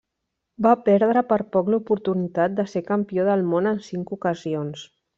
Va perdre per poc l'oportunitat de ser Campió del món en cinc ocasions.